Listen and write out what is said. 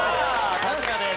さすがです。